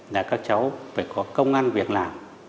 là các cháu phải có công an việc làm